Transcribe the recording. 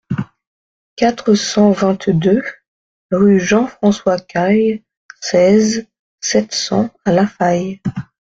quatre cent vingt-deux rue Jean-Francois Cail, seize, sept cents à La Faye